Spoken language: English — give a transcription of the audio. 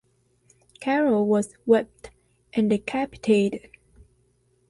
Carol was whipped and decapitated.